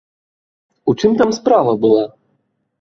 У чым там справа была?